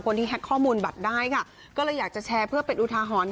แฮ็กข้อมูลบัตรได้ค่ะก็เลยอยากจะแชร์เพื่อเป็นอุทาหรณ์